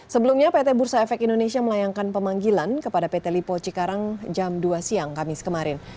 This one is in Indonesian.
sebelumnya pt bursa efek indonesia melayangkan pemanggilan kepada pt lipo cikarang jam dua siang kamis kemarin